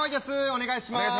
お願いします。